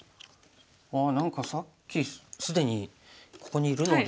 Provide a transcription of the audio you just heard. ああ何か既にここにいるので。